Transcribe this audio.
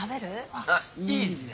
あっいいですね。